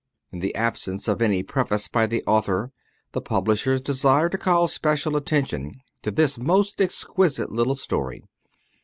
In the absence of any preface by the author, the publishers desire to call special attention to this most exquisite little story.